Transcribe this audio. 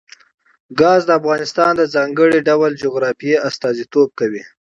ګاز د افغانستان د ځانګړي ډول جغرافیه استازیتوب کوي.